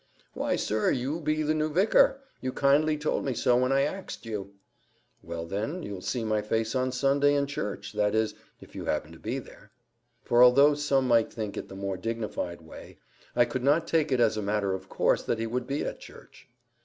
"Why, sir, you be the new vicar. You kindly told me so when I axed you." "Well, then, you'll see my face on Sunday in church—that is, if you happen to be there." For, although some might think it the more dignified way, I could not take it as a matter of course that he would be at church.